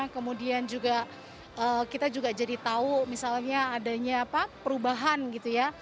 kemudian juga kita juga jadi tahu misalnya adanya perubahan gitu ya